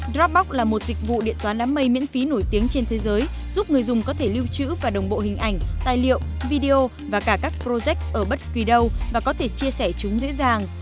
drapbox là một dịch vụ điện toán đám mây miễn phí nổi tiếng trên thế giới giúp người dùng có thể lưu trữ và đồng bộ hình ảnh tài liệu video và cả các projec ở bất kỳ đâu và có thể chia sẻ chúng dễ dàng